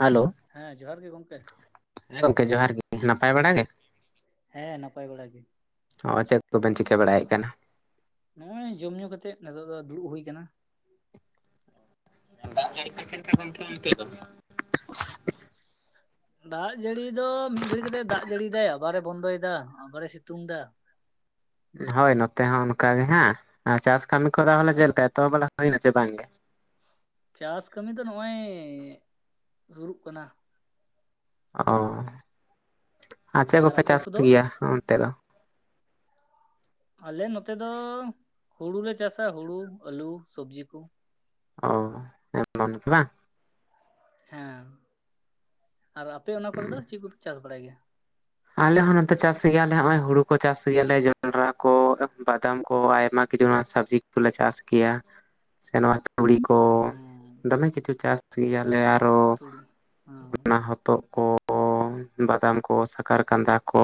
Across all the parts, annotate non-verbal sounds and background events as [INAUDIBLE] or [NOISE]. Hello ᱦᱮᱸ ᱡᱚᱦᱟᱨ ᱜᱮ ᱜᱚᱝᱠᱮ ᱜᱚᱢᱠᱮ ᱡᱚᱦᱟᱨ ᱜᱮ ᱱᱟᱯᱟᱭ ᱵᱟᱲᱟ ᱜᱮ? ᱦᱮᱸ ᱱᱟᱯᱟᱭ ᱵᱟᱲᱟ ᱜᱮ᱾ ᱚ ᱪᱮᱫ ᱠᱚᱵᱮᱱ ᱪᱤᱠᱟᱹ ᱵᱟᱲᱟᱭᱮᱫ ᱠᱟᱱᱟ? ᱱᱚᱜ ᱚᱭ ᱡᱚᱢ ᱧᱩ ᱠᱟᱛᱮᱜ ᱱᱮᱛᱚᱜ ᱫᱚ ᱫᱩᱲᱩᱵ ᱦᱩᱭ ᱟᱠᱟᱱᱟ᱾ ᱫᱟᱜ ᱡᱟᱹᱲᱤ ᱪᱮᱫ ᱞᱮᱠᱟ ᱜᱚᱢᱠᱮ ᱚᱱᱛᱮ ᱫᱚᱼᱼ ᱫᱟᱜ ᱡᱟᱹᱲᱤ ᱫᱚ ᱢᱤᱫ ᱜᱷᱟᱹᱲᱤ ᱠᱟᱛᱮ ᱫᱟᱜ ᱡᱟᱹᱲᱤᱭ ᱫᱟᱭᱼᱼ ᱟᱵᱟᱨᱮ ᱵᱚᱱᱫᱚ ᱭᱮᱫᱟ ᱟᱵᱟᱨᱮ ᱥᱤᱛᱩᱝ ᱮᱫᱟ, ᱦᱳᱭ ᱱᱚᱛᱮ ᱦᱚᱸ ᱚᱱᱠᱟᱜ ᱜᱮ ᱦᱮᱸ ᱪᱟᱥ ᱠᱟᱹᱢᱤ ᱠᱚᱫᱚ ᱦᱚᱞᱮ ᱪᱮᱫ ᱞᱮᱠᱟ ᱮᱛᱚᱦᱚᱵ ᱵᱟᱲᱟ ᱦᱩᱭ ᱱᱟ ᱥᱮ ᱵᱟᱝ? ᱪᱟᱥ ᱠᱟᱹᱢᱤ ᱫᱚ ᱱᱚᱜᱼᱚᱭ ᱥᱩᱨᱩᱜ ᱠᱟᱱᱟ᱾ ᱚ ᱟᱨ ᱪᱮᱫ ᱠᱚᱯᱮ ᱟᱯᱮ ᱪᱟᱥ ᱠᱚᱫᱚ ᱜᱮᱭᱟ ᱚᱱᱛᱮ ᱫᱚ? ᱟᱞᱮ ᱱᱚᱛᱮ ᱫᱚ ᱦᱩᱲᱩᱞᱮ ᱪᱟᱥᱟ ᱦᱩᱲᱩ ᱟᱹᱞᱩ ᱥᱚᱵᱽᱡᱤ ᱠᱩ᱾ ᱚ [UNINTELLIGIBLE] ᱦᱮᱸ ᱟᱨ ᱟᱯᱮ ᱚᱱᱟ ᱠᱚᱨᱮ ᱫᱚ ᱪᱮᱫ ᱠᱚᱯᱮ ᱪᱟᱥ ᱵᱟᱲᱟᱭ ᱜᱮᱭᱟ? ᱟᱞᱮ ᱦᱚᱸ ᱱᱚᱛᱮ ᱪᱟᱥ ᱜᱮᱭᱟ ᱞᱮ ᱱᱚᱜᱚᱭ ᱦᱩᱲᱩ ᱠᱚ ᱪᱟᱥ ᱜᱮᱭᱟ ᱞᱮ ᱡᱚᱱᱰᱨᱟ ᱠᱚ ᱵᱟᱫᱟᱢ ᱠᱚ ᱟᱭᱢᱟᱼᱼ ᱠᱤᱪᱷᱩ ᱥᱚᱵᱽᱡᱤ ᱠᱚᱞᱮ ᱪᱟᱥ ᱜᱮᱭᱟ ᱥᱮ ᱱᱚᱣᱟᱼᱼ ᱛᱩᱲᱤ ᱠᱚ ᱦᱩᱸ ᱫᱚᱢᱮ ᱠᱤᱪᱷᱩ ᱪᱟᱥ ᱜᱮᱭᱟ ᱞᱮ ᱟᱨᱼᱼ ᱟᱨᱚ ᱛᱩᱲᱤ ᱦᱮᱸ ᱚᱱᱟ ᱦᱚᱛᱚᱫ ᱠᱚ ᱵᱟᱫᱟᱢ ᱠᱚ ᱥᱟᱼᱼ ᱠᱟᱨ ᱠᱟᱸᱫᱟ ᱠᱚᱼᱼ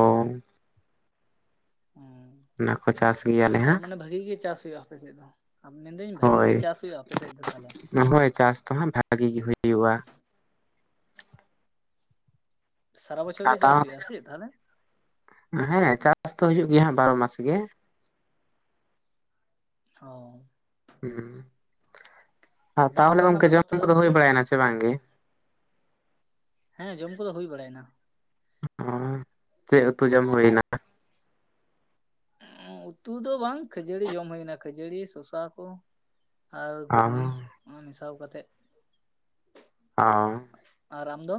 ᱦᱩᱸ ᱚᱱᱟ ᱠᱚ ᱪᱟᱥ ᱜᱮᱭᱟᱞᱮ ᱛᱟᱨ ᱦᱟᱸᱜ ᱢᱟᱱᱮ ᱵᱷᱟᱹᱜᱤ ᱜᱮ ᱪᱟᱥ ᱦᱩᱭᱩᱜᱼᱟ᱾ ᱟᱯᱮᱥᱮᱫ ᱫᱚ ᱟ ᱢᱮᱱ ᱫᱟᱹᱧ ᱵᱷᱟᱜᱤ ᱜᱮ ᱪᱟᱥ ᱦᱩᱭᱩᱜᱼᱟ ᱟᱯᱮ ᱥᱮᱫ ᱫᱚ ᱛᱟᱦᱚᱞᱮ? ᱱᱚᱦᱚᱭ ᱪᱟᱥ ᱫᱚ ᱦᱟᱸᱜ ᱵᱷᱟᱜᱤ ᱜᱮ ᱦᱩᱭᱩᱜᱼᱟ᱾ ᱥᱟᱨᱟ ᱵᱚᱪᱷᱚᱨ ᱜᱮ ᱦᱟᱛᱟᱣ ᱪᱟᱥ ᱦᱩᱭᱩᱜᱼᱟ ᱥᱮ ᱛᱟᱦᱚᱞᱮ? ᱦᱮᱸ ᱪᱟᱥ ᱫᱚ ᱦᱩᱭᱩᱜ ᱜᱮᱭᱟ ᱦᱟᱜ ᱵᱟᱨᱚ ᱢᱟᱥ ᱜᱮᱼᱼ ᱚᱻ ᱦᱩᱸ ᱟᱨ ᱫᱟᱜ ᱛᱟᱦᱚᱞᱮ ᱠᱚᱨᱮᱱᱟᱜ ᱜᱚᱝᱠᱮ ᱵᱮᱵᱚᱥᱛᱷᱟ ᱡᱚᱢ ᱫᱚ ᱠᱚᱫᱚ ᱦᱩᱭ ᱛᱟᱦᱚᱞᱮ ᱵᱟᱲᱟᱭ ᱮᱱᱟ ᱥᱮ ᱵᱟᱝ ᱜᱮ? ᱦᱮᱸ ᱡᱚᱢ ᱠᱚᱫᱚ ᱦᱳᱭ ᱵᱟᱲᱟ ᱭᱮᱱᱟ᱾ ᱚ ᱪᱮᱫ ᱩᱛᱩ ᱡᱚᱢ ᱦᱳᱭᱱᱟ? ᱩᱛᱩ ᱫᱚ ᱵᱟᱝ ᱠᱷᱟᱹᱡᱟᱹᱲᱤ ᱡᱚᱢ ᱦᱩᱭᱱᱟ ᱠᱷᱟᱹᱡᱟᱹᱲᱤ ᱥᱚᱥᱟ ᱠᱚᱼᱼ ᱟᱨ ᱚ ᱜᱷᱩᱜᱽᱱᱤ ᱚᱱᱟ ᱢᱮᱥᱟᱣ ᱠᱟᱛᱮᱜᱼᱼ ᱳᱻ ᱟᱨ ᱟᱢ ᱫᱚ?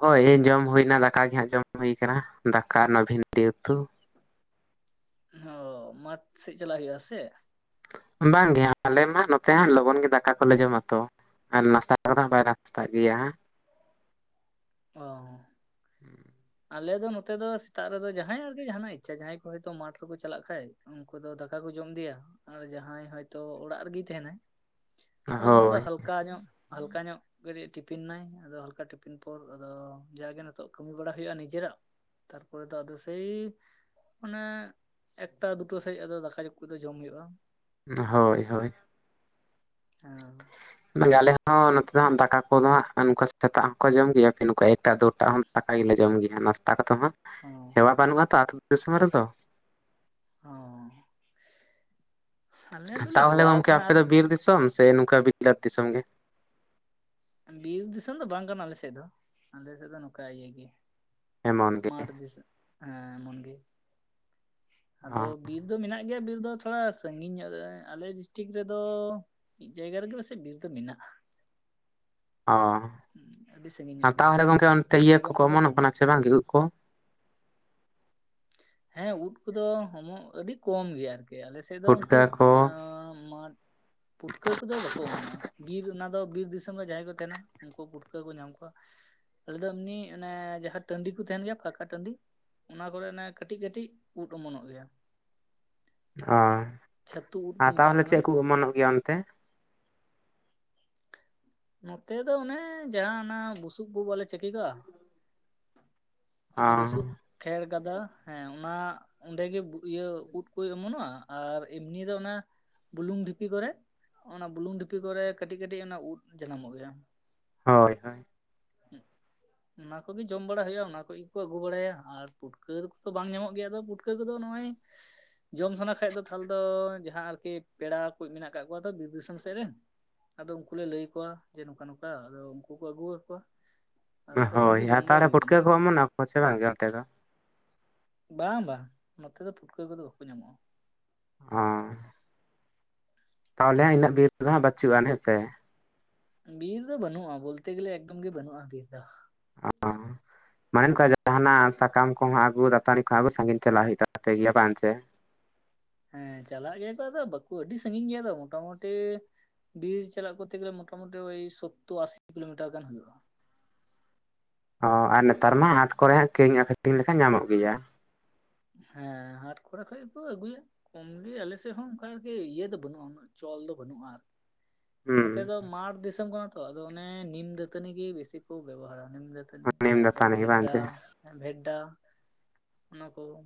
ᱦᱳᱭ ᱡᱚᱢ ᱦᱩᱭᱱᱟ ᱫᱟᱠᱟ ᱜᱮ ᱦᱟᱸᱜ ᱡᱚᱢ ᱦᱩᱭ ᱠᱟᱱᱟ ᱫᱟᱠᱟ ᱚᱱᱟ ᱵᱷᱤᱱᱰᱤ ᱩᱛᱩ, ᱦᱚ ᱢᱟᱴᱷ ᱥᱮᱫ ᱪᱟᱞᱟᱜ ᱦᱩᱭᱩᱜᱼᱟ ᱥᱮ, ᱵᱟᱝ ᱜᱮ ᱟᱞᱮ ᱢᱟ ᱱᱚᱛᱮ ᱦᱟᱸᱜ ᱞᱚᱜᱚᱱ ᱜᱮ ᱫᱟᱠᱟ ᱠᱚᱞᱮ ᱡᱚᱢᱟ ᱛᱚ᱾ ᱟᱨ ᱱᱟᱥᱛᱟ ᱠᱚ ᱫᱚ ᱵᱟᱭ ᱱᱟᱥᱛᱟᱜ ᱜᱮᱭᱟ᱾ ᱚᱻ ᱦᱮᱸ ᱟᱞᱮᱚ ᱱᱚᱛᱮ ᱫᱚ ᱥᱮᱛᱟᱜ ᱨᱮᱫᱚ ᱡᱟᱦᱟᱸᱭ ᱟᱨᱠᱤ ᱡᱟᱦᱟᱱᱟᱜ ᱤᱪᱪᱷᱟ ᱡᱟᱦᱟᱸᱭ ᱠᱚ ᱦᱚᱭᱛ ᱢᱟᱴᱷ ᱨᱮᱠᱚ ᱪᱟᱞᱟᱜ ᱠᱷᱟᱡ ᱩᱱᱠᱩ ᱫᱚ ᱫᱟᱠᱟ ᱠᱚ ᱡᱚᱢ ᱤᱫᱤᱭᱟ ᱟᱨ ᱡᱟᱦᱟᱸᱭ ᱦᱚᱭᱛᱚ ᱚᱲᱟᱜ ᱨᱮᱜᱮᱭ ᱛᱟᱦᱮᱱᱟᱭ᱾ ᱟᱫᱚ ᱚᱱᱟ ᱫᱚ ᱦᱳᱭ ᱦᱟᱞᱠᱟ ᱧᱚᱜ ᱦᱟᱞᱠᱟ ᱧᱚᱜ ᱠᱟᱹᱴᱤᱡ ᱴᱤᱯᱤᱱ ᱱᱟᱭ ᱟᱫᱚ ᱦᱟᱞᱠᱟ ᱴᱤᱯᱤᱱᱼᱼ ᱛᱟᱨ ᱯᱚᱨ ᱟᱫᱚ ᱡᱟᱜᱮ ᱱᱤᱛᱚᱜ ᱠᱟᱹᱢᱤ ᱵᱟᱲᱟ ᱦᱩᱭᱩᱜᱼᱟ ᱱᱤᱡᱮᱨᱟᱜ ᱛᱟᱨ ᱯᱚᱨᱮ ᱫᱚ ᱟᱫᱚ ᱥᱮᱭ ᱚᱱᱮ ᱮᱠᱴᱟ ᱫᱩᱴᱟ ᱥᱮᱡ ᱟᱫᱚ ᱫᱟᱠᱟ ᱡᱚᱢ ᱠᱚᱫᱚ ᱡᱚᱢ ᱦᱩᱭᱩᱜᱼᱟ᱾ ᱦᱳᱭ, ᱦᱳᱭ᱾ ᱦᱮᱸ ᱟᱞᱮ ᱦᱚᱸ ᱱᱚᱛᱮ ᱫᱚ ᱦᱟᱸᱜ ᱫᱟᱠᱟ ᱠᱚᱫᱚ, ᱦᱟᱸᱜ ᱱᱚᱝᱠᱟ ᱥᱮᱛᱟᱜ ᱦᱚᱸᱠᱚ ᱡᱚᱢ ᱜᱮᱭᱟ ᱱᱚᱝᱠᱟ ᱮᱠᱴᱟ ᱫᱩᱴᱟ ᱦᱚᱸ ᱫᱟᱠᱟ ᱜᱮᱞᱮ ᱡᱚᱢ ᱜᱮᱭᱟ, ᱱᱟᱥᱛᱟ ᱠᱟᱛᱮ ᱦᱚᱸ᱾ ᱚ ᱦᱮᱣᱟ ᱵᱟᱹᱱᱩᱜᱼᱟ ᱛᱚ, ᱟᱹᱛᱩ ᱫᱤᱥᱚᱢ ᱨᱮᱫᱚ᱾ ᱚᱸ ᱛᱟᱦᱚᱞᱮ ᱜᱚᱢᱠᱮ ᱟᱯᱮ ᱟᱨ ᱫᱚ ᱵᱤᱨ ᱫᱤᱥᱚᱢ, ᱥᱮ ᱱᱚᱝᱠᱟ ᱵᱤᱞᱟᱹᱛ ᱫᱤᱥᱚᱢ ᱜᱮ? ᱵᱤᱨ ᱫᱤᱥᱚᱢ ᱫᱚ ᱵᱟᱝ ᱠᱟᱱᱟ ᱟᱞᱮ ᱥᱮᱫ ᱫᱚ, ᱟᱞᱮ ᱥᱮᱫ ᱫᱚ ᱱᱚᱝᱠᱟ ᱤᱭᱟᱹ ᱜᱮ᱾ ᱮᱢᱚᱱ ᱜᱮ, ᱢᱟᱴ ᱫᱤᱥ ᱦᱮᱸ ᱮᱢᱚᱱ ᱜᱮ, ᱟᱫᱚ ᱚ ᱵᱤᱨ ᱫᱚ ᱢᱮᱱᱟᱜ ᱜᱮ ᱜᱮᱭᱟ ᱵᱤᱨ ᱫᱚ, ᱛᱷᱚᱲᱟ ᱥᱟᱺᱜᱤᱧ ᱧᱚᱜ ᱨᱮ ᱟᱞᱮ ᱰᱤᱥᱴᱤᱠ ᱨᱮᱫᱚ ᱢᱤᱫ ᱡᱟᱭᱜᱟ ᱨᱮᱜᱮ ᱯᱟᱥᱮᱡ, ᱵᱤᱨ ᱫᱚ ᱢᱮᱱᱟᱜᱼᱟ᱾ ᱚ ᱟᱹᱰᱤ ᱥᱟᱺᱜᱤᱧ ᱟᱨ ᱧᱚᱜ ᱜᱮᱭᱟ ᱛᱟᱦᱚᱞᱮ ᱜᱚᱢᱠᱮ ᱚᱱᱛᱮ, ᱵᱤᱨ ᱤᱭᱟᱹ ᱠᱚᱫᱚ ᱠᱚᱠᱚ ᱚᱱᱠᱟ ᱫᱚ ᱚᱢᱚᱱᱚᱜ ᱠᱟᱱᱟ ᱵᱟᱹᱱᱩᱜᱼᱟ ᱥᱮ ᱵᱟᱝ ᱜᱮ ᱩᱫ ᱠᱚ? ᱦᱮᱸ ᱩᱫ ᱠᱚᱫᱚ ᱚᱢ ᱟᱹᱰᱤ ᱠᱚᱢ ᱜᱮᱭᱟ, ᱟᱨᱠᱤ ᱟᱞᱮ ᱥᱮᱱ᱾ ᱥᱮᱫ ᱩᱱᱠᱩ, ᱯᱩᱴᱠᱟᱹ ᱠᱚ ᱢᱟᱴ ᱯᱩᱴᱠᱟᱹ ᱠᱚᱫᱚ ᱵᱟᱠᱚ ᱚᱢᱚᱱᱚᱜᱼᱟ, ᱵᱤᱨ ᱚᱱᱟ ᱫᱚ ᱵᱤᱨ ᱫᱤᱥᱚᱢ ᱨᱮ ᱡᱟᱦᱟᱸᱭ ᱠᱚ ᱛᱟᱸᱦᱮᱱᱟ, ᱩᱱᱠᱩ ᱯᱩᱴᱠᱟᱹ ᱠᱚ ᱧᱟᱢ ᱠᱚᱣᱟ᱾ ᱟᱞᱮᱫᱮ ᱫᱚ ᱮᱢᱱᱤ ᱚᱱᱮ ᱡᱟᱦᱟᱸ ᱴᱟᱺᱰᱤ ᱛᱟᱦᱮᱱ ᱜᱮᱭᱟ, ᱯᱷᱟᱸᱠᱟ ᱴᱟᱺᱰᱤ ᱚᱱᱟ ᱠᱚᱨᱮ ᱚᱱᱮ ᱠᱟᱹᱴᱤᱡ ᱠᱟᱹᱴᱤᱡ ᱩᱫ ᱚᱢᱚᱱᱚᱜ ᱜᱮᱭᱟ᱾ ᱚ, ᱪᱷᱟᱹᱛᱩ ᱩᱫ ᱠᱚ ᱟᱨ ᱢᱮᱛᱟᱜ ᱛᱟᱦᱚᱞᱮ ᱠᱟᱱᱟ ᱪᱮᱫ ᱠᱚ ᱚᱢᱚᱱᱚᱜ ᱜᱮᱭᱟ ᱚᱱᱛᱮ? ᱱᱚᱛᱮ ᱫᱚ ᱚᱱᱮ, ᱡᱟᱦᱟᱸ ᱚᱱᱟ ᱵᱩᱥᱩᱵ ᱠᱚ ᱵᱟᱞᱮ ᱪᱟᱹᱠᱤ ᱠᱟᱜᱼᱟ᱾ ᱚ ᱚᱱᱟ ᱵᱩᱥᱩᱵ ᱠᱷᱮᱲ ᱜᱟᱫᱟ ᱦᱮᱸ ᱚᱱᱟ ᱚᱱᱰᱮᱜᱮ ᱤᱭᱟᱹ ᱩᱫ ᱠᱚ ᱚᱢᱚᱱᱚᱜᱼᱟ, ᱟᱨ ᱮᱢᱱᱤ ᱫᱚ ᱚᱱᱟ ᱵᱩᱞᱩᱝ ᱰᱷᱤᱯᱤ ᱠᱚᱨᱮ᱾ ᱚᱱᱟ ᱵᱩᱞᱩᱝ ᱰᱷᱤᱯᱤ ᱠᱚᱨᱮ, ᱠᱟᱹᱴᱤᱡ ᱠᱟᱹᱴᱤᱡ ᱚᱱᱟ ᱩᱫ ᱡᱟᱱᱟᱢᱚᱜ ᱜᱮᱭᱟ ᱾ ᱦᱳᱭ, ᱦᱳᱭ᱾ ᱦᱩᱸ, ᱦᱩᱸ᱾ ᱚᱱᱟ ᱠᱚᱜᱮ ᱡᱚᱢ ᱵᱟᱲᱟ ᱦᱳᱭᱳᱜᱼᱟ, ᱚᱱᱟ ᱠᱚ ᱜᱮᱠᱚ ᱟᱹᱜᱩ ᱵᱟᱲᱟᱭᱟ, ᱟᱨ ᱯᱩᱴᱠᱟᱹ ᱠᱚᱫᱚ ᱵᱟᱝ ᱧᱟᱢᱚᱜ ᱜᱮᱭᱟ, ᱟᱫᱚ ᱯᱩᱴᱠᱟᱹ ᱠᱚᱫᱚ ᱱᱚᱜᱼᱚᱭ ᱡᱚᱢ ᱥᱟᱱᱟ ᱠᱷᱟᱡ ᱫᱚ ᱛᱟᱦᱚᱞᱮ ᱫᱚ, ᱡᱟᱦᱟᱸ ᱟᱨᱠᱤ ᱯᱮᱲᱟ ᱠᱩᱡ ᱢᱮᱱᱟᱜ ᱟᱠᱟᱜ ᱠᱚᱣᱟ ᱛᱚ, ᱵᱤᱨ ᱫᱤᱥᱚᱢ ᱥᱮᱫ ᱨᱮᱱ, ᱟᱫᱚ ᱩᱱᱠᱩ ᱞᱮ ᱞᱟᱹᱭ ᱠᱚᱣᱟ, ᱡᱮ ᱱᱚᱝᱠᱟ ᱱᱚᱝᱠᱟ ᱟᱫᱚ ᱩᱱᱠᱩ ᱠᱚ ᱟᱹᱜᱩ ᱟᱠᱚᱣᱟ ᱾ ᱦᱳᱭ ᱟᱨ ᱛᱟᱦᱚᱞᱮ ᱯᱩᱴᱠᱟᱹ ᱠᱚ ᱚᱢᱚᱱᱟ ᱠᱚᱣᱟ ᱥᱮ ᱵᱟᱝ ᱜᱮ ᱚᱱᱛᱮ ᱫᱚ? ᱵᱟᱝ ᱵᱟᱝ, ᱱᱚᱛᱮ ᱫᱚ ᱯᱩᱴᱠᱟᱹ ᱠᱚᱫᱚ ᱵᱟᱠᱚ ᱧᱟᱢᱚᱜᱼᱟ ᱾ ᱚᱸᱻ, ᱛᱟᱦᱚᱞᱮ ᱦᱟᱸ ᱤᱱᱟᱹᱜ ᱵᱤᱨ ᱫᱚ, ᱦᱟᱸᱜ ᱵᱟᱪᱩᱜ-ᱟ ᱦᱮᱸ ᱥᱮ? ᱵᱤᱨ ᱫᱚ ᱵᱟᱹᱱᱩᱜᱼᱟ ᱵᱚᱞᱛᱮ ᱜᱮᱞᱮ, ᱮᱠᱫᱚᱢ ᱜᱮ ᱵᱟᱹᱱᱩᱜᱼᱟ ᱵᱤᱨ ᱫᱚ ᱾ ᱚᱸ, ᱢᱟᱱᱮ ᱚᱱᱠᱟᱱ ᱡᱟᱦᱟᱱᱟᱜ ᱥᱟᱠᱟᱢ ᱠᱚᱦᱚᱸ, ᱟᱜᱩ ᱫᱟᱛᱟᱱᱤ ᱠᱚᱦᱚᱸ ᱟᱜᱩ ᱥᱟᱺᱜᱤᱧ ᱪᱟᱞᱟᱜ ᱦᱳᱭᱳᱜ ᱛᱟᱯᱮ ᱜᱮᱭᱟ ᱵᱟᱝ ᱥᱮ? ᱦᱮᱸ ᱪᱟᱞᱟᱜ ᱜᱮᱭᱟ ᱠᱚ ᱟᱫᱚ ᱵᱟᱠᱚ, ᱟᱹᱰᱤ ᱥᱟᱜᱤᱧ ᱜᱮᱭᱟ ᱛᱚ ᱢᱚᱴᱟᱢᱩᱴᱤ ᱵᱤᱨ ᱪᱟᱞᱟᱜ ᱠᱚᱛᱮ ᱜᱮᱞᱮ ᱢᱚᱴᱟ ᱢᱩᱴᱤ ᱳᱭ ᱥᱳᱛᱛᱳ ᱟᱥᱤ ᱠᱤᱞᱳᱢᱤᱴᱟᱨ ᱜᱟᱱ ᱦᱳᱭᱳᱜᱼᱟ ᱾ ᱚ ᱟᱨ ᱱᱮᱛᱟᱨ ᱢᱟ ᱦᱟᱴ ᱠᱚᱨᱮ ᱦᱟᱸ ᱠᱤᱨᱤᱧ ᱟᱠᱷᱨᱤᱧ ᱞᱮᱠᱷᱟᱱ ᱧᱟᱢᱚᱜ ᱜᱮᱭᱟ ᱾ ᱦᱮᱸ ᱦᱟᱴ ᱠᱚᱨᱮ, ᱠᱷᱚᱡ ᱠᱚ ᱟᱹᱜᱩᱭᱟ ᱾ ᱠᱚᱢᱜᱮ ᱟᱞᱮᱥᱮᱫ ᱦᱚᱸ ᱚᱱᱠᱟ ᱜᱮ ᱤᱭᱟᱹ ᱫᱚ ᱵᱟᱹᱱᱩᱜᱼᱟ, ᱩᱱᱟᱹᱜ ᱪᱚᱞ ᱫᱚ ᱵᱟᱹᱱᱩᱜᱼᱟ ᱟᱨᱠᱤ ᱾ ᱱᱚᱛᱮ ᱦᱩᱸ ᱫᱚ ᱢᱟᱴᱷ ᱫᱤᱥᱚᱢ ᱠᱟᱱᱟ ᱛᱚ, ᱟᱫᱚ ᱚᱱᱮ ᱱᱤᱢ ᱫᱟᱹᱛᱟᱹᱱᱤ ᱜᱮ ᱵᱮᱥᱤ ᱠᱚ ᱵᱮᱵᱚᱦᱟᱨᱟ ᱱᱤᱢ ᱫᱟᱹᱛᱟᱹ ᱱᱤᱢ ᱛᱟᱯᱚᱨ, ᱫᱟᱹᱛᱟᱹᱱᱤ ᱵᱟᱝ ᱵᱷᱮᱰᱰᱟ, ᱪᱮ ᱵᱷᱮᱰᱰᱟ᱾ ᱚᱱᱟ ᱠᱚ,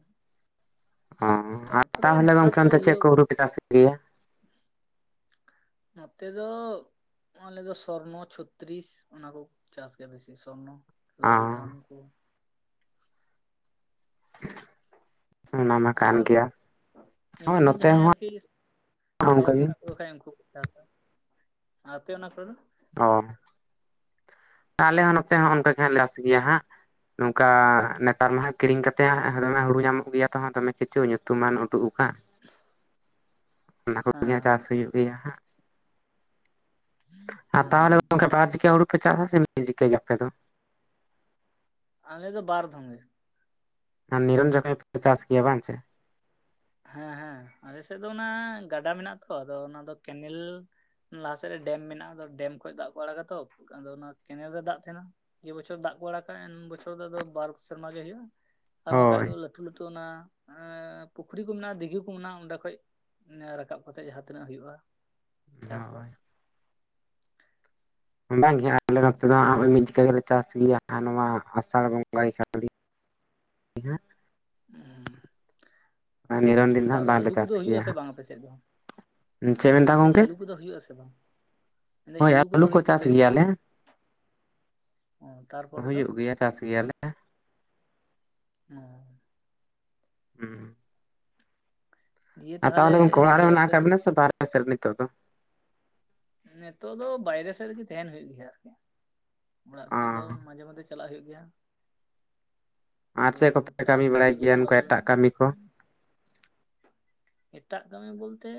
ᱚ ᱟᱨ ᱛᱟᱨᱯᱚᱨᱮ ᱛᱟᱦᱚᱞᱮ ᱱᱮᱛᱟᱨ ᱜᱚᱝᱠᱮ ᱛᱚ ᱚᱱᱛᱮ, ᱪᱮᱫ ᱤᱭᱟᱹ ᱠᱚ ᱦᱳᱲᱳ ᱯᱮ ᱪᱟᱥᱮᱫ ᱜᱮᱭᱟ? ᱱᱚᱛᱮ ᱫᱚ ᱟᱞᱮ ᱫᱚ ᱥᱚᱨᱱᱚ, ᱪᱷᱚᱛᱨᱤᱥ ᱚᱱᱟ ᱠᱚ ᱪᱟᱥ ᱜᱮᱭᱟ ᱵᱮᱥᱤ ᱥᱚᱨᱱᱚ, ᱚ ᱞᱟᱞ ᱫᱷᱟᱱ ᱠᱚ ᱾ [INAUDIBLE] ᱠᱟᱱ ᱜᱮᱭᱟ ᱟᱨ ᱦᱳᱭ ᱮᱢᱱᱤ ᱱᱚᱛᱮ ᱡᱟᱦᱟᱸᱭ ᱦᱚᱸ ᱟᱨᱠᱤ ᱚᱱᱠᱟ ᱥᱚᱠ ᱜᱮ ᱢᱮᱱᱟᱜ ᱛᱟᱠᱚ ᱠᱷᱟᱡ ᱩᱝᱠᱩ ᱠᱚ ᱪᱟᱥᱟ᱾ ᱟᱯᱮ ᱚᱱᱟ ᱠᱚᱨᱮ ᱫᱚ? ᱚ, ᱟᱞᱮ ᱦᱚᱸ ᱱᱚᱛᱮ ᱦᱚᱸ ᱚᱱᱠᱟ ᱜᱮ ᱦᱟᱸᱜ ᱞᱮ ᱪᱟᱥ ᱜᱮᱭᱟ ᱦᱟᱸᱜ ᱾ ᱱᱚᱝᱠᱟ ᱱᱮᱛᱟᱨ ᱢᱟ ᱦᱟᱸᱜ ᱠᱤᱨᱤᱧ ᱠᱟᱛᱮᱫ ᱦᱟᱸᱜ ᱫᱚᱢᱮ ᱦᱩᱲᱩ ᱧᱟᱢᱚᱜ ᱜᱮᱭᱟ ᱛᱚ ᱦᱟᱸᱜ, ᱫᱚᱢᱮ ᱠᱤᱪᱷᱩ ᱧᱩᱛᱩᱢᱟᱱ ᱩᱰᱩᱜ ᱠᱟᱜ ᱾ [INAUDIBLE] ᱚᱱᱟ ᱠᱚᱜᱮ ᱦᱟᱸᱜ ᱪᱟᱥ ᱦᱮᱸ ᱦᱩᱭᱩᱜ ᱜᱮᱭᱟ ᱦᱟᱸᱜ ᱾ ᱟᱨ ᱚ ᱛᱟᱦᱚᱞᱮ [INAUDIBLE] ᱵᱟᱨ ᱡᱮᱠᱷᱟ ᱦᱩᱲᱩ ᱯᱮ ᱪᱟᱥᱟ ᱥᱮ ᱢᱤᱫ ᱡᱤᱠᱟᱹ ᱜᱮ ᱟᱯᱮ ᱫᱚ? ᱟᱞᱮ ᱫᱚ ᱵᱟᱨ ᱫᱷᱚᱢ ᱜᱮ ᱾ ᱟᱸ ᱱᱤᱨᱚᱱ ᱡᱚᱠᱷᱟᱡ ᱯᱮ ᱪᱟᱥ ᱜᱮᱭᱟ ᱵᱟᱝ ᱥᱮ? ᱦᱮᱸ ᱦᱮᱸ ᱟᱞᱮ ᱥᱮᱫ ᱫᱚ ᱚᱱᱟ ᱜᱟᱰᱟ ᱢᱮᱱᱟᱜ-ᱟ ᱛᱚ ᱟᱫᱚ ᱚᱱᱟ ᱫᱚ ᱠᱮᱱᱮᱞ ᱞᱟᱦᱟ ᱥᱮᱫ ᱨᱮ ᱰᱮᱢ ᱢᱮᱱᱟᱜᱼᱟ ᱟᱫᱚ ᱰᱮᱢ ᱠᱷᱚᱡ ᱫᱟᱜ ᱠᱚ ᱟᱲᱟᱜᱟ ᱛᱚ, ᱟᱫᱚ ᱚᱱᱟ ᱠᱮᱱᱮᱞ ᱨᱮ ᱫᱟᱜ ᱛᱟᱦᱮᱸᱱᱟ ᱾ ᱡᱮ ᱵᱚᱪᱷᱚᱨ ᱫᱟᱜ ᱠᱚ ᱟᱲᱟᱠᱟ ᱮᱱ ᱵᱚᱪᱷᱚᱨ ᱫᱚ ᱟᱫᱚ ᱵᱟᱨ ᱥᱮᱨᱢᱟ ᱜᱮ ᱦᱩᱭᱩᱜᱼᱟ ᱾ ᱟᱨ ᱵᱟᱝᱠᱷᱟᱡ ᱦᱳᱭ ᱫᱚ ᱞᱟᱹᱴᱷᱩ ᱞᱟᱹᱴᱷᱩ ᱚᱱᱟ ᱮᱸᱻ ᱯᱩᱠᱷᱨᱤ ᱠᱚ ᱢᱮᱱᱟᱜ-ᱟ, ᱫᱤᱜᱷᱟᱹ ᱠᱚ ᱢᱮᱱᱟᱜ-ᱟ ᱚᱸᱰᱮ ᱠᱷᱚᱡ, ᱨᱟᱠᱟᱵ ᱠᱟᱛᱮ ᱡᱟᱦᱟᱸ ᱛᱤᱱᱟᱹᱜ ᱦᱩᱭᱩᱜ-ᱟ ᱪᱟᱥ ᱦᱳᱭ ᱵᱟᱥ᱾ ᱵᱟᱝᱜᱮ ᱟᱞᱮ ᱱᱚᱛᱮ ᱫᱚ ᱦᱟᱸᱜ [INAUDIBLE] ᱢᱤᱫ ᱡᱮᱠᱟ ᱜᱮᱞᱮ ᱪᱟᱥ ᱜᱮᱭᱟ, ᱱᱚᱣᱟ ᱟᱥᱟᱲ ᱵᱚᱸᱜᱟ ᱜᱮ ᱠᱷᱟᱞᱤ ᱾ ᱩᱸ ᱦᱩᱸ᱾ ᱦᱟᱸᱜ ᱱᱤᱨᱚᱱ ᱫᱤᱱ ᱦᱟᱸᱜ ᱛᱟᱣᱨᱮ ᱵᱟᱝᱞᱮ ᱟᱹᱞᱩ ᱪᱟᱥ ᱠᱚᱫᱚ ᱦᱩᱭᱩᱜ-ᱟ ᱜᱮᱭᱟ ᱥᱮ ᱦᱟᱸᱜ ᱵᱟᱝ ᱟᱯᱮ ᱥᱮᱫ ᱫᱚ? ᱪᱮᱫ ᱢᱮᱱᱫᱟ ᱢᱮᱱᱫᱟᱹᱧ ᱜᱚᱝᱠᱮ ᱟᱹᱞᱩ ᱠᱚᱫᱚ ᱦᱩᱭᱩᱜ-ᱟ ᱥᱮ ᱵᱟᱝ? ᱢᱮᱱᱫᱟᱹᱧ ᱦᱳᱭ ᱟᱹᱞᱩ ᱠᱚᱫᱚ ᱠᱚ ᱦᱩᱭᱩᱜ ᱪᱟᱥ ᱛᱟᱯᱮᱭᱟ ᱥᱮ ᱵᱟᱝ, ᱜᱮᱭᱟᱞᱮ ᱚ ᱛᱟᱨᱯᱚᱨᱮ ᱫᱚ? ᱯᱮᱭᱟ ᱪᱟᱥ ᱜᱮᱭᱟ ᱞᱮ ᱾ [UNINTELLIGIBLE] ᱦᱩᱸ᱾ ᱫᱤᱭᱮ ᱟᱨ ᱛᱟᱦᱚᱞᱮ ᱜᱚᱝᱠᱮ ᱚᱲᱟᱜ ᱨᱮ ᱤᱭᱟᱹ ᱢᱮᱱᱟᱜ ᱟᱯᱮ ᱟᱠᱟᱫ ᱫᱚ ᱵᱮᱱᱟ ᱥᱮ ᱵᱟᱨᱦᱮ ᱥᱮᱫ ᱨᱮ ᱱᱤᱛᱚᱜ ᱫᱚ? ᱱᱤᱛᱚᱜ ᱫᱚ ᱵᱟᱭᱨᱮ ᱥᱮᱫ ᱨᱮᱜᱤ ᱛᱟᱦᱮᱸᱱ ᱦᱩᱭᱩᱜ ᱜᱮᱭᱟ ᱟᱨᱠᱤ ᱾ ᱚᱲᱟᱜ ᱚ ᱥᱮᱫ ᱫᱚ ᱢᱟᱡᱷᱮ ᱢᱚᱫᱫᱷᱮ ᱪᱟᱞᱟᱜ ᱦᱩᱭᱩᱜ ᱜᱮᱭᱟ ᱾ ᱟᱨ ᱪᱮᱫ ᱠᱚᱯᱮ ᱠᱟᱢᱤ ᱵᱟᱲᱟᱭ ᱠᱟᱹᱢᱤ ᱜᱮᱭᱟ ᱠᱚᱠᱚ ᱱᱚᱝᱠᱟ ᱞᱟᱜᱟᱣ ᱮᱴᱟᱜ ᱞᱮᱱᱟ ᱠᱟᱢᱤ ᱠᱚ? ᱮᱴᱟᱜ ᱠᱟᱹᱢᱤ ᱵᱚᱞᱛᱮ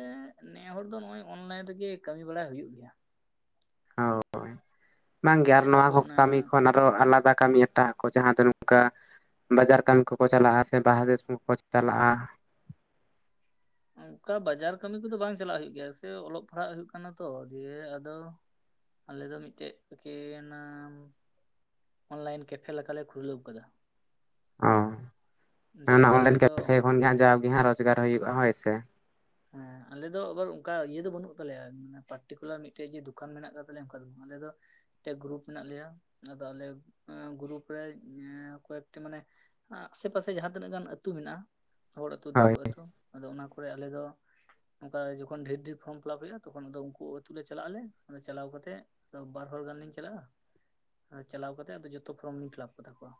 ᱱᱮ ᱦᱚᱲ ᱫᱚ ᱱᱚᱜᱼᱚᱭ ᱚᱱᱞᱟᱭᱤᱱ ᱨᱮᱜᱮ ᱠᱟᱹᱢᱤ ᱵᱟᱲᱟ ᱦᱩᱭᱩᱜ ᱜᱮᱭᱟ ᱾ ᱦᱳᱭ, ᱵᱟᱝᱜᱮ ᱟᱨ ᱡᱟᱦᱟᱸ ᱱᱚᱣᱟ ᱠᱚ ᱚᱱᱮ ᱠᱟᱹᱢᱤ ᱠᱷᱚᱱ ᱟ ᱯᱮ ᱫᱚ ᱟᱞᱟᱫᱟ ᱠᱟᱹᱢᱤ ᱦᱟᱛᱟᱣ ᱠᱚ ᱡᱟᱦᱟᱸ ᱫᱚ ᱱᱚᱝᱠᱟ ᱵᱟᱡᱟᱨ ᱠᱟᱢᱤ ᱠᱚᱠᱚ ᱪᱟᱞᱟᱜᱼᱟ ᱥᱮ ᱵᱟᱦᱨᱮ ᱫᱤᱥᱚᱢ ᱠᱚ ᱪᱟᱞᱟᱜᱼᱟ? ᱚᱝᱠᱟ ᱵᱟᱡᱟᱨ ᱠᱟᱹᱢᱤ ᱠᱚᱫᱚ ᱵᱟᱝ ᱪᱟᱞᱟᱜ ᱦᱳᱭᱳᱜ ᱜᱮᱭᱟ ᱥᱮ ᱚᱞᱚᱜ ᱯᱟᱲᱦᱟᱜ ᱦᱩᱭᱩᱜ ᱠᱟᱱᱟ ᱛᱚ, ᱫᱤᱭᱮ ᱟᱫᱚ ᱟᱞᱮ ᱫᱚ ᱢᱤᱫ ᱴᱮᱜ [UNINTELLIGIBLE] ᱚᱱᱞᱟᱭᱤᱱ ᱠᱮᱯᱷᱮ ᱞᱮᱠᱟᱞᱮ ᱠᱷᱩᱞᱟᱹᱣ ᱠᱟᱫᱟ ᱾ ᱚ, ᱦᱮᱸ ᱫᱤᱭᱮ ᱚᱱᱟ ᱟᱫᱚ ᱟᱞᱮ ᱚᱱᱞᱟᱭᱤᱱ ᱫᱚ ᱠᱮᱯᱷᱮ ᱠᱷᱚᱱ ᱜᱮ ᱦᱟᱸᱜ ᱡᱟᱣᱜᱮ ᱦᱟᱸᱜ ᱨᱚᱡᱽᱜᱟᱨ ᱦᱩᱭᱩᱜᱼᱟ ᱦᱳᱭ ᱥᱮ ᱾ ᱦᱮᱸ ᱟᱞᱮ ᱫᱚ ᱟᱵᱟᱨ ᱚᱝᱠᱟ ᱤᱭᱟᱹ ᱫᱚ ᱵᱟᱹᱱᱩᱜ ᱛᱟᱞᱮᱭᱟ, ᱢᱟᱱᱮ ᱯᱟᱨᱴᱤᱠᱩᱞᱟᱨ ᱢᱤᱫᱴᱮᱡ ᱡᱮ ᱫᱚᱠᱟᱱ ᱢᱮᱱᱟᱜ ᱟᱠᱟᱫ ᱛᱟᱞᱮᱭᱟ ᱚᱝᱠᱟ ᱫᱚ ᱵᱟᱝ, ᱟᱞᱮ ᱫᱚ ᱢᱤᱫᱴᱮᱱ ᱜᱨᱩᱯ ᱢᱮᱱᱟᱜ ᱞᱮᱭᱟ, ᱟᱫᱚ ᱟᱞᱮ ᱜᱨᱩᱯ ᱨᱮ ᱠᱚᱭᱮᱠᱴᱤ ᱢᱟᱱᱮ ᱟᱥᱮ ᱯᱟᱥᱮ ᱡᱟᱦᱟᱸ ᱛᱤᱱᱟᱹᱜ ᱜᱟᱱ ᱟᱹᱛᱩ ᱢᱮᱱᱟᱜᱼᱟ, ᱦᱚᱲ ᱟᱹᱛᱩ, ᱫᱤᱠᱩ ᱦᱳᱭ ᱟᱹᱛᱩ ᱟᱫᱚ ᱚᱱᱟ ᱠᱚᱨᱮ ᱟᱞᱮ ᱫᱚ ᱚᱝᱠᱟ ᱡᱚᱠᱷᱚᱱ ᱰᱷᱮᱨ ᱰᱷᱮᱨ ᱯᱷᱚᱨᱚᱢ ᱯᱷᱤᱞᱟᱯ ᱦᱩᱭᱩᱜᱼᱟ ᱛᱚᱠᱷᱚᱱ ᱟᱫᱚ ᱩᱝᱠᱩ ᱟᱹᱛᱩ ᱞᱮ ᱪᱟᱞᱟᱜ ᱟᱞᱮ, ᱟᱨ ᱪᱟᱞᱟᱣ ᱠᱟᱛᱮᱜ ᱛᱚ ᱵᱟᱨ ᱦᱚᱲ ᱜᱟᱱ ᱞᱤᱧ ᱪᱟᱞᱟᱜᱼᱟ, ᱟᱨ ᱪᱟᱞᱟᱣ ᱠᱟᱛᱮᱫ ᱟᱫᱚ ᱡᱚᱛᱚ ᱯᱷᱚᱨᱚᱢ ᱞᱤᱧ ᱯᱷᱤᱞᱟᱯ ᱠᱟ ᱛᱟᱠᱚᱣᱟ,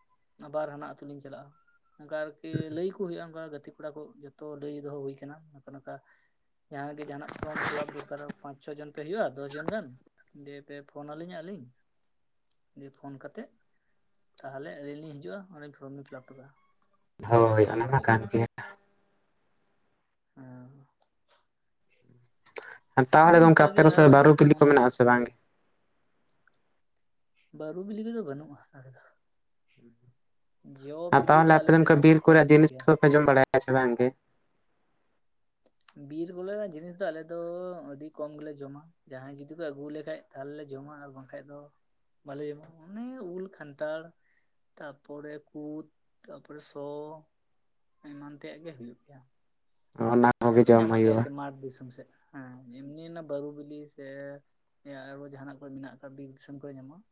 ᱟᱵᱟᱨ ᱦᱟᱱᱟ ᱟᱹᱛᱩ ᱞᱤᱧ ᱪᱟᱞᱟᱜᱼᱟ ᱾ ᱚᱝᱠᱟ ᱟᱨᱠᱤ ᱞᱟᱹᱭ ᱟᱠᱚ ᱦᱩᱭᱩᱜᱼᱟ ᱚᱝᱠᱟ ᱜᱟᱛᱮ ᱠᱚᱲᱟ ᱠᱚ ᱡᱷᱚᱛᱚ ᱞᱟᱹᱭ ᱫᱚᱦᱚ ᱦᱩᱭ ᱠᱟᱱᱟ ᱱᱚᱝᱠᱟ ᱱᱚᱝᱠᱟ, ᱡᱟᱦᱟᱸ ᱜᱮ ᱡᱟᱦᱟᱸᱱᱟᱜ ᱯᱷᱚᱨᱚᱢ ᱯᱷᱤᱞᱟᱯ ᱫᱚᱨᱠᱟᱨ ᱯᱟᱸᱪ ᱪᱷᱚ ᱡᱚᱱ ᱯᱮ ᱦᱩᱭᱩᱜᱼᱟ ᱫᱚᱥ ᱡᱚᱱ ᱜᱟᱱ, [UNINTELLIGIBLE] ᱯᱷᱳᱱᱟ ᱞᱤᱧ ᱟᱹᱞᱤᱧᱼᱼ ᱫᱤᱭᱮ ᱯᱷᱳᱱ ᱠᱟᱛᱮᱫ ᱛᱟᱦᱚᱞᱮ ᱟᱹᱞᱤᱧ ᱞᱤᱧ ᱦᱤᱡᱩᱜᱼᱟ, ᱚᱸᱰᱮ ᱯᱷᱚᱨᱚᱢ ᱞᱤᱧ ᱯᱷᱤᱞᱟᱯ ᱴᱷᱚᱠᱟᱜᱼᱟ ᱾ ᱦᱳᱭ ᱚᱱᱟ ᱢᱟ ᱠᱟᱱ ᱜᱮ ᱾ [UNINTELLIGIBLE] ᱛᱟᱦᱚᱞᱮ ᱦᱮᱸ ᱜᱚᱢᱠᱮ ᱱᱚᱝᱠᱟ ᱟᱯᱮ ᱜᱮ ᱠᱚ ᱥᱮᱫ ᱟᱨ ᱫᱚ ᱵᱟᱨᱩ ᱯᱤᱞᱤ ᱱᱚᱜᱼᱚ ᱠᱚ ᱱᱚᱣᱟ ᱢᱮᱱᱟᱜᱼᱟ ᱥᱮ ᱠᱟᱹᱢᱤ ᱵᱟᱝ? ᱜᱮ ᱵᱟᱹᱨᱩ ᱵᱤᱞᱤ ᱠᱚᱫᱚ ᱵᱟᱹᱱᱩᱜᱼᱟ ᱱᱚᱰᱮ ᱫᱚ ᱡᱚ ᱵᱤᱞᱤ ᱛᱟᱦᱚᱞᱮ ᱟᱯᱮ ᱟᱞᱮ ᱫᱚ ᱥᱮᱫ ᱚᱱᱠᱟ ᱟᱹᱰᱤ ᱵᱤᱨ ᱠᱚᱨᱮ ᱠᱚᱢ ᱧᱚᱜ ᱡᱤᱱᱤᱥ ᱜᱮᱭᱟ ᱠᱚ ᱫᱚ ᱯᱮ ᱡᱚᱢ ᱵᱟᱲᱟᱭ ᱟᱪᱮ ᱵᱟᱝ ᱜᱮ? ᱵᱤᱨ ᱵᱚᱞᱮ ᱨᱮᱱᱟᱜ ᱡᱤᱱᱤᱥ ᱫᱚ ᱟᱞᱮ ᱫᱚ ᱟᱹᱰᱤ ᱠᱚᱢ ᱜᱮᱞᱮ ᱡᱚᱢᱟ ᱾ ᱡᱟᱦᱟᱸᱭ ᱡᱩᱫᱤ ᱠᱚ ᱟᱹᱜᱩ ᱟᱞᱮ ᱠᱷᱟᱡ ᱛᱟᱦᱚᱞᱮ ᱡᱚᱢᱟ ᱟᱨ ᱵᱟᱝ ᱠᱷᱟᱡ ᱫᱚᱼᱼ ᱵᱟᱞᱮ ᱡᱚᱢᱟ ᱚᱱᱮ ᱩᱞ ᱠᱷᱟᱱᱴᱟᱲ, ᱛᱟᱯᱚᱨᱮ ᱠᱩᱫ ᱛᱟᱯᱚᱨᱮ ᱥᱚ ᱮᱢᱟᱱ ᱛᱮᱭᱟᱜ ᱜᱮ ᱦᱩᱭᱩᱜ ᱜᱮᱭᱟ ᱾ ᱚᱱᱟᱼᱼ ᱡᱟᱦᱟᱸ ᱠᱚ ᱧᱟᱢᱚᱜ ᱜᱮᱭᱟ ᱠᱤ ᱢᱟᱴᱷ ᱫᱤᱥᱚᱢ ᱥᱮᱫ ᱦᱮᱸ ᱮᱢᱱᱤ ᱚᱱᱟ ᱵᱟᱹᱨᱩ ᱵᱤᱞᱤ ᱥᱮ, ᱟᱨᱚ ᱡᱟᱦᱟᱱᱟᱜ ᱠᱚᱨᱮ ᱢᱮᱱᱟᱜ ᱟᱠᱟᱫ ᱵᱤᱨ ᱫᱤᱥᱚᱢ ᱠᱚᱨᱮ ᱧᱟᱢᱚᱜᱼᱟ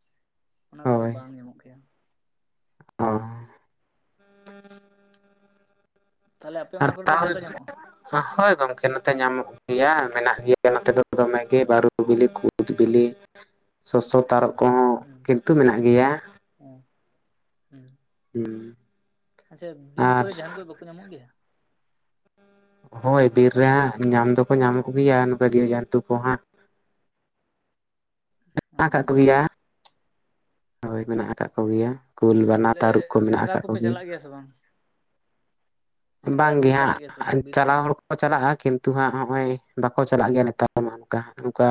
ᱚᱱᱟ ᱠᱚᱫᱚ ᱵᱟᱝ ᱧᱟᱢᱚᱜ ᱜᱮᱭᱟ ᱾ ᱚᱻ ᱛᱟᱦᱚᱞᱮ ᱟᱯᱮ ᱚᱱᱟ ᱠᱚᱨᱮ ᱫᱚ ᱡᱟᱫᱟ ᱧᱟᱢᱚᱜᱼᱟ [UNINTELLIGIBLE] ᱦᱳᱭ ᱜᱚᱢᱠᱮ ᱱᱚᱛᱮ ᱧᱟᱢᱚᱜᱼᱼ ᱜᱮᱭᱟ ᱢᱮᱱᱟᱜ ᱜᱮᱭᱟ ᱱᱚᱛᱮ ᱫᱚ ᱫᱚᱢᱮ ᱜᱮ ᱵᱟᱹᱨᱩ ᱵᱤᱞᱤ, ᱠᱩᱫ ᱵᱤᱞᱤ, ᱥᱚᱥᱚ, ᱛᱟᱨᱚᱵ ᱠᱚᱦᱚᱸ ᱦᱩᱸ ᱠᱤᱱᱛᱩ ᱢᱮᱱᱟᱜ ᱜᱮᱭᱟ ᱾ [UNINTELLIGIBLE] ᱦᱮᱸ ᱟᱪᱪᱷᱟ ᱵᱤᱨ ᱠᱚᱨᱮ ᱡᱟᱦᱟᱱ ᱠᱚ ᱵᱟᱠᱚ ᱧᱟᱢᱚᱜ ᱜᱮᱭᱟ? ᱦᱳᱭ ᱵᱤᱨ ᱨᱮ ᱦᱟᱸᱜ ᱧᱟᱢ ᱫᱚᱠᱚ ᱧᱟᱢᱚᱜ ᱜᱮᱭᱟ ᱱᱚᱝᱠᱟ ᱡᱤᱣᱤᱡᱚᱱᱛᱩ ᱠᱚ ᱦᱟᱸᱜ ᱾ ᱚ [UNINTELLIGIBLE] ᱦᱳᱭ ᱢᱮᱱᱟᱜ ᱟᱠᱟᱫ ᱠᱚ ᱜᱮᱭᱟ, ᱠᱩᱞ ᱵᱟᱱᱟ ᱛᱟᱦᱚᱞᱮ ᱛᱟᱹᱨᱩᱵ ᱠᱚ ᱢᱮᱱᱟᱜ ᱥᱮᱸᱫᱽᱨᱟ ᱟᱠᱟᱫ ᱠᱚ ᱜᱮᱭᱟ ᱾ [UNINTELLIGIBLE] ᱵᱟᱝ ᱥᱮᱸᱫᱽᱨᱟ ᱵᱟᱝ ᱜᱮ ᱠᱚᱯᱮ ᱦᱟᱸᱜ ᱪᱟᱞᱟᱜ ᱜᱮᱭᱟ ᱥᱮ ᱵᱟᱝ [UNINTELLIGIBLE] ᱵᱤᱨ ᱥᱮᱫ? ᱪᱟᱞᱟᱣ ᱪᱟᱞᱟᱜᱼᱟ ᱠᱤᱱᱛᱩ ᱦᱟᱸᱜ ᱱᱚᱜᱼᱚᱭ ᱵᱟᱠᱚ ᱪᱟᱞᱟᱜ ᱜᱮᱭᱟ ᱱᱮᱛᱟᱨ ᱢᱟ ᱚᱱᱠᱟ ᱱᱚᱝᱠᱟᱼᱼ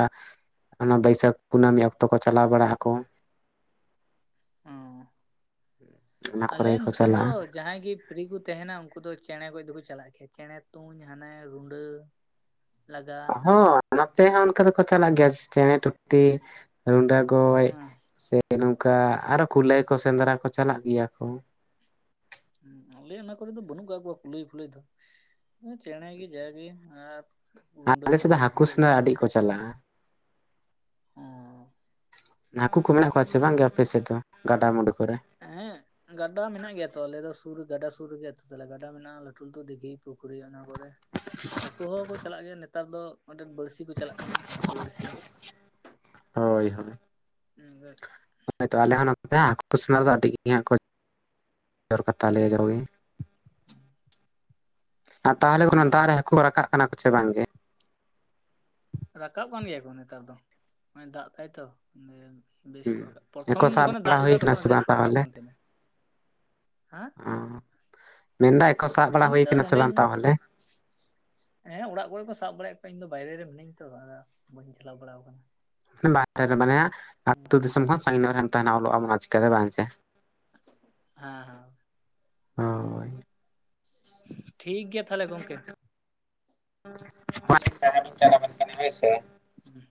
ᱚᱱᱟ ᱵᱟᱹᱭᱥᱟᱹᱠᱷ ᱠᱩᱱᱟᱹᱢᱤ ᱚᱠᱛᱚ ᱠᱚ ᱪᱟᱞᱟᱣ ᱵᱟᱲᱟᱜ ᱟᱠᱚ ᱾ ᱚᱸ ᱚᱱᱟ ᱟᱞᱮ ᱠᱚᱨᱮ ᱜᱮᱠᱚ ᱱᱚᱛᱮ ᱫᱚᱼᱼ ᱪᱟᱞᱟᱜᱼᱟ ᱡᱟᱦᱟᱸᱭ ᱜᱮ ᱯᱷᱤᱨᱤ ᱠᱚ ᱛᱟᱦᱮᱱᱟ ᱩᱱᱠᱩ ᱫᱚ ᱪᱮᱬᱮᱸ ᱜᱚᱡ ᱫᱚᱠᱚ ᱪᱟᱞᱟᱜ ᱜᱮᱭᱟ ᱪᱮᱬᱮᱸ ᱛᱩᱧ ᱦᱟᱱᱮ ᱨᱩᱸᱰᱟᱹᱼᱼ ᱞᱟᱜᱟᱼᱼ ᱦᱚᱸ ᱱᱟᱛᱮ ᱦᱚᱸ ᱚᱱᱠᱟ ᱫᱚᱠᱚ ᱪᱟᱞᱟᱜ ᱜᱮᱭᱟ ᱪᱮᱸᱬᱮ ᱴᱩᱴᱤ ᱨᱩᱰᱟᱹ ᱜᱚᱡ ᱦᱮᱸ ᱥᱮᱼᱼ ᱱᱚᱝᱠᱟ ᱟᱨᱚ ᱠᱩᱞᱟᱹᱭ ᱠᱚ ᱥᱮᱸᱫᱽᱨᱟ ᱠᱚ ᱪᱟᱞᱟᱜ ᱜᱮᱭᱟ ᱠᱚ [UNINTELLIGIBLE] ᱟᱞᱮ ᱚᱱᱟ ᱠᱚᱨᱮ ᱫᱚ ᱵᱟᱹᱱᱩᱜ ᱠᱟᱜ ᱠᱚᱣᱟ ᱠᱩᱞᱟᱹᱭ ᱯᱷᱩᱞᱟᱹᱭ ᱫᱚ ᱪᱮᱸᱬᱮ ᱜᱮ ᱡᱟ ᱜᱮ ᱟᱨ ᱨᱩᱰᱟᱹ ᱟᱞᱮ ᱥᱮᱫ ᱫᱚ ᱯᱩᱰᱟᱹ ᱡᱟᱦᱟᱱ ᱦᱟᱹᱠᱩ ᱠᱚ ᱥᱮᱸᱫᱽᱨᱟ ᱧᱟᱢ ᱟᱹᱰᱤ ᱠᱚ ᱠᱚᱣᱟ ᱪᱟᱞᱟᱜᱼᱟ ᱚᱸ ᱦᱟᱹᱠᱩ ᱠᱚ ᱢᱮᱱᱟᱜ ᱠᱚᱣᱟ ᱥᱮ ᱵᱟᱝ ᱜᱮ ᱟᱯᱮ ᱥᱮᱫ ᱫᱚ ᱜᱟᱰᱟᱼᱢᱩᱰᱩ ᱠᱚᱨᱮ? ᱦᱮᱸ ᱜᱟᱰᱟ ᱢᱮᱱᱟᱜ ᱜᱮᱭᱟ ᱛᱚ ᱟᱞᱮ ᱫᱚ ᱥᱩᱨ ᱨᱮ ᱜᱟᱰᱟ ᱥᱩᱨ ᱨᱮ ᱜᱮ ᱟᱹᱛᱩ ᱛᱟᱞᱮ ᱜᱟᱰᱟ ᱢᱮᱱᱟᱜᱼᱟ ᱞᱟᱹᱴᱩ ᱞᱟᱹᱴᱩ ᱫᱤᱜᱷᱤ ᱯᱩᱠᱷᱩᱨᱤ ᱚᱱᱟ ᱠᱚᱨᱮ ᱦᱟᱹᱠᱩ ᱦᱚᱸ ᱠᱚ ᱪᱟᱞᱟᱜ ᱜᱮᱭᱟ ᱱᱮᱛᱟᱨ ᱫᱚ ᱟᱸᱰᱮᱢ ᱵᱟᱹᱲᱥᱤᱼᱼ ᱛᱤ ᱠᱚ ᱪᱟᱞᱟᱜ ᱠᱟᱱᱟ ᱦᱟᱹᱠᱩ ᱵᱟᱹᱲᱥᱤ [UNINTELLIGIBLE] ᱦᱚᱭᱛᱚ ᱟᱞᱮ ᱦᱚᱸ ᱱᱚᱛᱮ ᱦᱟᱸᱜ ᱦᱟᱹᱠᱩ ᱥᱮᱱᱚᱜᱼᱟ ᱥᱮ ᱟᱹᱰᱤ ᱜᱮ ᱦᱟᱸᱜ ᱠᱚ [UNINTELLIGIBLE] ᱛᱟᱞᱮᱭᱟ ᱡᱟᱨᱩᱨᱤ [INAUDIBLE] ᱟᱨ ᱛᱟᱦᱚᱞᱮ ᱚᱱᱟ ᱦᱮᱸ ᱫᱟᱜ ᱨᱮ ᱦᱟᱹᱠᱩ ᱠᱚ ᱨᱟᱠᱟᱵ ᱠᱟᱱᱟ ᱠᱚᱪᱮ ᱵᱟᱝ ᱜᱮ ᱨᱟᱠᱟᱵ ᱠᱟᱱ ᱜᱮᱭᱟ ᱠᱚ ᱱᱮᱛᱟᱨ ᱫᱚ ᱱᱚ-ᱚᱭ ᱫᱟᱜ ᱫᱟᱭ ᱛᱚ᱾ ᱵᱮᱥ ᱠᱚ ᱦᱩᱸ ᱨᱟᱠᱟᱵ ᱯᱨᱚᱛᱷᱚᱢ ᱦᱟᱹᱠᱩ ᱥᱟᱵ ᱡᱚᱠᱷᱚᱱᱮ ᱵᱟᱲᱟ ᱫᱟᱜ ᱦᱩᱭ ᱞᱮᱫᱟ ᱠᱟᱱᱟ ᱛᱚᱠᱷᱚᱱ ᱥᱮ ᱟᱹᱰᱤ ᱵᱟᱝ ᱟᱸᱴ ᱠᱚ ᱨᱟᱠᱟᱵ ᱛᱟᱦᱚᱞᱮ ᱠᱟᱱ ᱛᱟᱦᱮᱱᱟ᱾ ᱚ ᱢᱮᱱᱫᱟᱭ [INAUDIBLE] ᱥᱟᱵ ᱵᱟᱲᱟ ᱤᱧ ᱦᱩᱭ ᱫᱚ ᱠᱟᱱᱟ ᱥᱮ ᱵᱟᱝ ᱱᱚᱰᱮᱧ ᱛᱟᱦᱚᱞᱮ ᱦᱮᱸ ᱚᱲᱟᱜ ᱠᱚᱨᱮ ᱠᱚ ᱥᱟᱵ ᱵᱟᱲᱟᱭᱮᱫ ᱠᱚᱣᱟ ᱤᱧ ᱫᱚ ᱵᱟᱭᱨᱮ ᱨᱮ ᱢᱤᱹᱧ ᱟᱛᱚ ᱟᱫᱚ ᱵᱟᱹᱧ ᱪᱟᱞᱟᱣ ᱵᱟᱲᱟᱣ ᱠᱟᱱᱟ᱾ ᱢᱟᱱᱮ ᱵᱟᱦᱨᱮ ᱨᱮ ᱢᱟᱱᱮ ᱦᱮᱸ ᱟᱹᱛᱩ ᱫᱤᱥᱚᱢ ᱠᱷᱚᱱ ᱥᱟᱺᱜᱤᱧ ᱧᱚᱜ ᱨᱮ ᱛᱟᱦᱮᱱᱟ ᱚᱞᱚᱜ-ᱟᱢ ᱚᱱᱟ ᱪᱤᱠᱟᱹᱛᱮ ᱵᱟᱝ ᱪᱮ ᱦᱮᱸ ᱦᱮᱸ ᱦᱳᱭ, ᱴᱷᱤᱠ ᱜᱮᱮᱭᱟ ᱛᱟᱦᱚᱞᱮ ᱜᱚᱢᱠᱮ, ᱥᱟᱨᱦᱟᱣ ᱤᱧ ᱪᱟᱞ ᱟᱵᱮᱱ ᱠᱟᱱᱟ ᱦᱳᱭ ᱥᱮ, ᱦᱩᱸ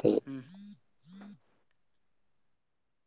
ᱴᱷᱤᱠ ᱦᱩᱸ